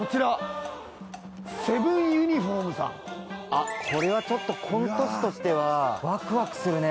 あっこれはちょっとコント師としてはわくわくするね